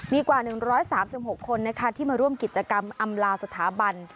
มีกว่า๑๓๖คนที่มาร่วมกิจกรรมอำลาสถาบัน